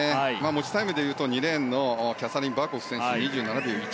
持ちタイムでいうと２レーンのキャサリン・バーコフ２７秒１２。